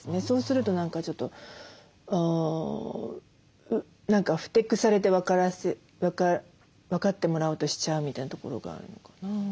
そうすると何かちょっと何かふてくされて分かってもらおうとしちゃうみたいなところがあるのかな。